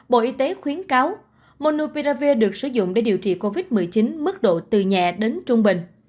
bộ y tế khuyến cáo monopiravi được sử dụng để điều trị covid một mươi chín mức độ từ nhẹ đến trung bình